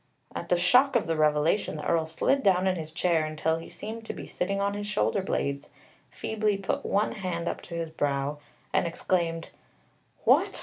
At the shock of the revelation the Earl slid down in his chair until he seemed to be sitting on his shoulder blades, feebly put one hand up to his brow, and exclaimed: "What?